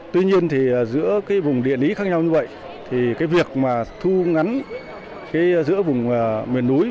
tuy nhiên thì giữa cái vùng địa lý khác nhau như vậy thì cái việc mà thu ngắn giữa vùng miền núi